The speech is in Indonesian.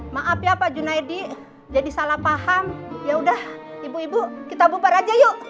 maaf ya pak junaidi jadi salah paham yaudah ibu ibu kita bubar aja yuk